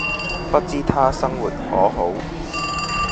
不知他生活可好